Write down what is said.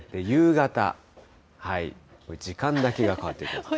夕方、時間だけが変わっていく。